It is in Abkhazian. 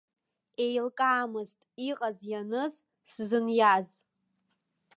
Еилкаамызт иҟаз-ианыз, сзыниаз.